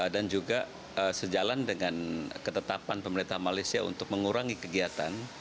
dan juga sejalan dengan ketetapan pemerintah malaysia untuk mengurangi kegiatan